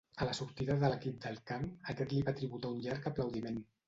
A la sortida de l'equip del camp, aquest li va tributar un llarg aplaudiment.